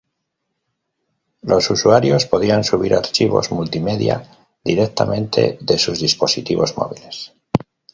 Los usuarios podían subir archivos multimedia directamente de sus dispositivos móviles.